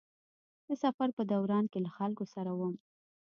د سفر په دوران کې له خلکو سره وم.